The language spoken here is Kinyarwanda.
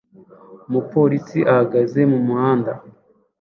Umupolisi ahagaze mu muhanda